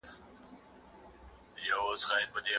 دفاع وزارت بهرنۍ پانګونه نه ردوي.